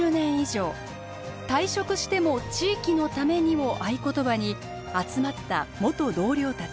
「退職しても地域のために」を合言葉に集まった元同僚たち。